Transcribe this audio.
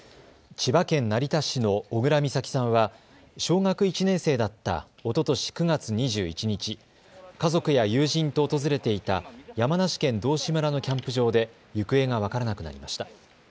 千葉県成田市の小倉美咲さんは小学１年生だったおととし９月２１日、家族や友人と訪れていた山梨県道志村のキャンプ場で行方が分からなくなりました。